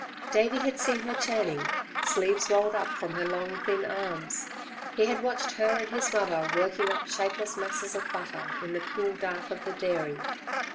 Davey had seen her churning, sleeves rolled up from her long, thin arms; he had watched her and his mother working up shapeless masses of butter in the cool dark of the dairy.